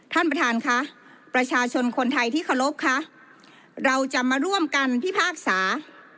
ท่านประธานค่ะประชาชนคนไทยที่เคารพคะเราจะมาร่วมกันพิพากษา